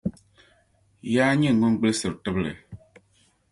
Yaa nyini ŋun gbilsiri tibli